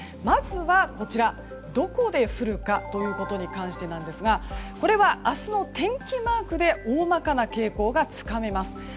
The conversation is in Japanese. まずは、どこで降るかということに関してですがこれは明日の天気マークで大まかな傾向がつかめます。